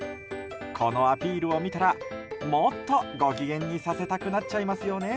このアピールを見たらもっとご機嫌にさせたくなっちゃいますよね。